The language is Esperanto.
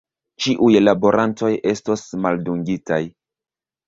Ĉiuj laborantoj estos maldungitaj.